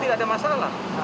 tidak ada masalah